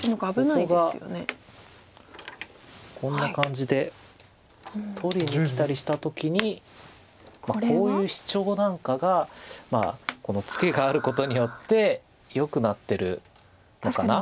ここがこんな感じで取りにきたりした時にこういうシチョウなんかがこのツケがあることによってよくなってるのかな？